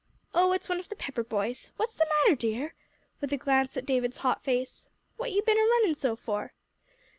"Oh, it's one of the Pepper boys. What's the matter, dear?" with a glance at David's hot face. "What you ben a runnin' so for?"